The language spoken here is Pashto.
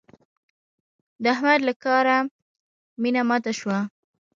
د احمد له کاره مينه ماته شوه.